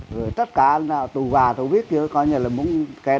rồi tất cả tù và tù viết chứ coi như là muốn cái đó